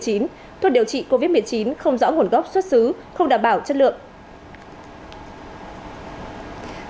thuốc điều trị covid một mươi chín không rõ nguồn gốc xuất xứ không đảm bảo chất lượng